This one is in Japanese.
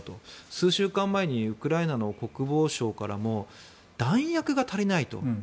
数週間前にウクライナの国防省からも弾薬が足りないと。